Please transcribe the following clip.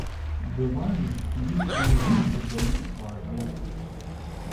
Bi van ji çiyê êzing dibirin bajêr